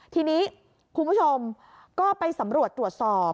ทีนี้คุณผู้ชมก็ไปสำรวจตรวจสอบ